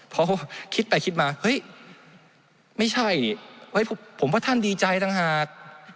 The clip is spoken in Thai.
เพราะว่าคิดไปคิดมาเฮ้ยไม่ใช่เห้ยผมว่าท่านดีใจต่างหาก